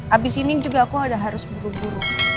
abis ini juga aku udah harus buru buru